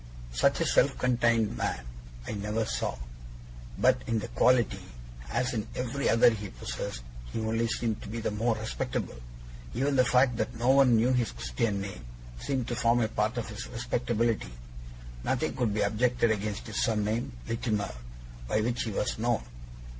Such a self contained man I never saw. But in that quality, as in every other he possessed, he only seemed to be the more respectable. Even the fact that no one knew his Christian name, seemed to form a part of his respectability. Nothing could be objected against his surname, Littimer, by which he was known.